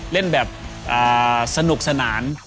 เล่นแบบสนุกสนาน